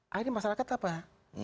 akhirnya masyarakat apa ya